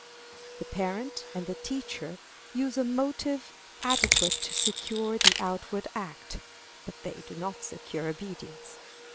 The parent and the teacher use a motive adequate to secure the outward act, but they do not secure obedience.